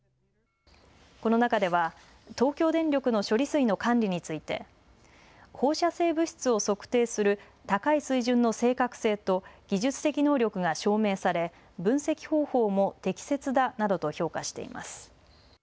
この中では東京電力の処理水の管理について放射性物質を測定する高い水準の正確性と技術的能力が証明され分析方法も適切だなどと評価しています。